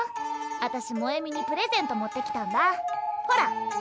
あたし萌美にプレゼント持ってきたんだほら。